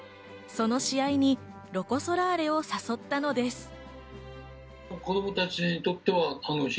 その試合にロコ・ソラーレを誘ったのです。